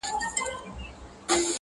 پر لمن د پسرلي به څاڅکي څاڅکي صدف اوري!!